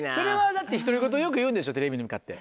だって独り言よく言うんでしょテレビに向かって。